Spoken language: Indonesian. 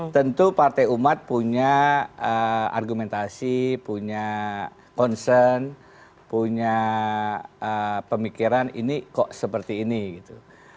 tentu partai umat punya argumentasi punya concern punya pemikiran ini kok seperti ini gitu